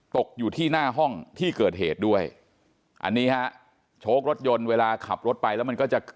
ตกอยู่ที่หน้าห้องที่เกิดเหตุด้วยอันนี้ฮะโชครถยนต์เวลาขับรถไปแล้วมันก็จะ